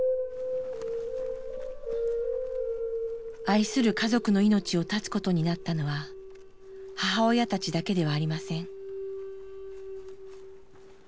愛する家族の命を絶つことになったのは母親たちだけではありません。